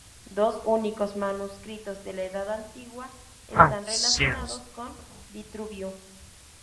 Dos únicos manuscritos de la Edad Antigua están relacionados con Vitruvio.